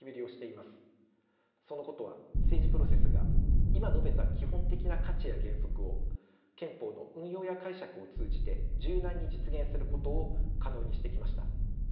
そのことは政治プロセスが今述べた基本的な価値や原則を憲法の運用や解釈を通じて柔軟に実現することを可能にしてきました。